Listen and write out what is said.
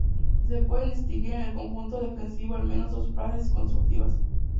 Se pueden distinguir en el conjunto defensivo al menos dos fases constructivas.